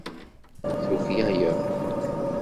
Tuklaleḍ.